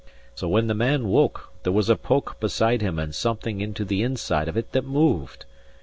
So when the man woke, there was a poke beside him and something into the inside of it that moved.